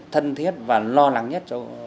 thân thiết và lo lắng nhất cho